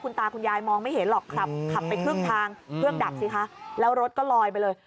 ตาคุณยายมองไม่เห็นหรอกขับขับไปครึ่งทางเครื่องดับสิคะแล้วรถก็ลอยไปเลย